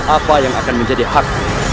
apa yang akan menjadi hak